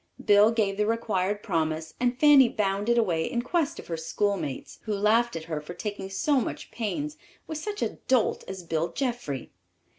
Bill gave the required promise and Fanny bounded away in quest of her schoolmates, who laughed at her for taking so much pains with such a dolt as Bill Jeffrey.